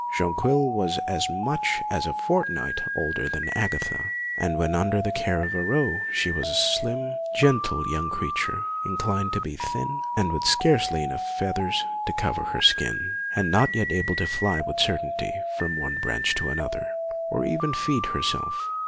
Jonquil was as much as a fortnight older than Agatha, and when under the care of Aurore she was a slim, gentle young creature, inclined to be thin, and with scarcely enough feathers to cover her skin, and not yet able to fly with certainty from one branch to another, or even to feed herself.